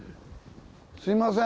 すいません。